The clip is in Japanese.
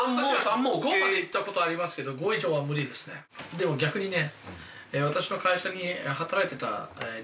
でも逆にね。